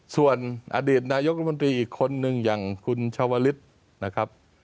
ส่วนอดีตนายกรัฐมนตรีอีกคนนึงอย่างคุณชาวลิศนะครับ